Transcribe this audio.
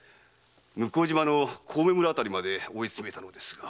向島の小梅村あたりまで追いつめたのですが。